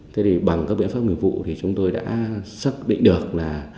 thế thì bằng các biện pháp nghiệp vụ thì chúng tôi đã xác định được là